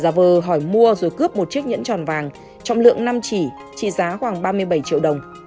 giả vờ hỏi mua rồi cướp một chiếc nhẫn tròn vàng trọng lượng năm chỉ trị giá khoảng ba mươi bảy triệu đồng